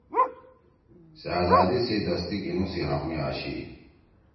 سے آزادی سی دَستی گھینُو سی حق می آشی